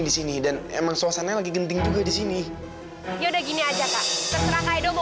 disini dan emang suasananya lagi genting juga di sini ya udah gini aja kak terserah kak edo mau